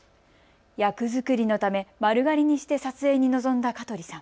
役作りのため、丸刈りにして撮影に臨んだ香取さん。